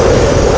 itu udah gila